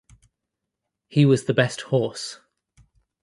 He was the best horse.